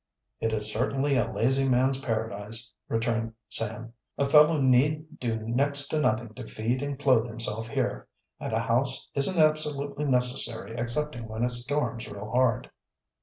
"It is certainly a lazy man's paradise," re turned Sam. "A fellow need do next to nothing to feed and clothe himself here, and a house isn't absolutely necessary excepting when it storms real hard."